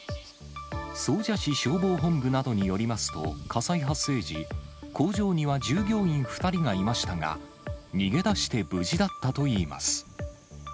総社市消防本部などによりますと、火災発生時、工場には従業員２人がいましたが、逃げ出して無事だったといいます。